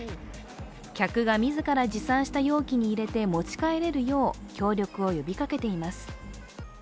客が自ら持参した容器に入れて持ち帰れるよう協力を呼びかけています。